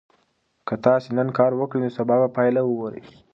که تاسي نن کار وکړئ نو سبا به پایله وګورئ.